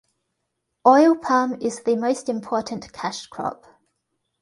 Oil palm is the most important cash crop.